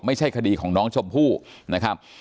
ไม่ใช่คดีของน้องชมพู่นะครับ